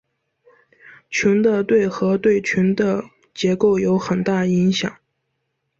群的对合对群的结构有很大影响。